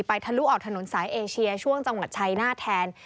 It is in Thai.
ทะลุออกถนนสายเอเชียช่วงจังหวัดชัยนาธแทน